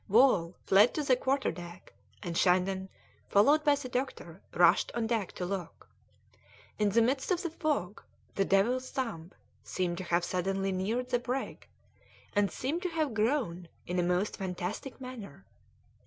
Wall fled to the quarter deck, and Shandon, followed by the doctor, rushed on deck to look. In the midst of the fog the Devil's Thumb seemed to have suddenly neared the brig, and seemed to have grown in a most fantastic manner.